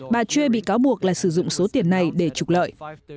bà chuy bị cáo buộc là sử dụng số tiền này để trục lợi